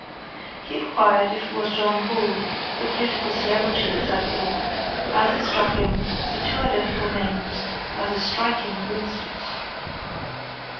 He inquired if it was John Bull the political celebrity of that ilk, as it struck him, the two identical names, as a striking coincidence.